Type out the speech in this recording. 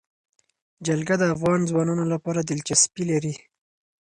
جلګه د افغان ځوانانو لپاره دلچسپي لري.